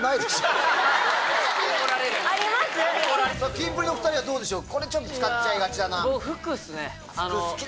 キンプリの２人はどうでしょう？